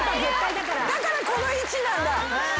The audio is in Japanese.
だからこの位置なんだ。